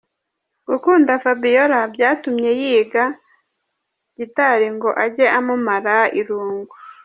Gukunda Fabiola Byatumye yiga gitari ngo ajye amumara irungu.